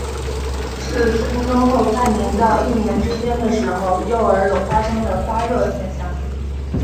是出生后半年到一年之间的时候幼儿有发生的发热现象。